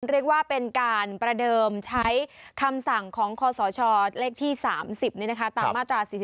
เรียกว่าเป็นการประเดิมใช้คำสั่งของคศเลขที่๓๐ตามมาตรา๔๔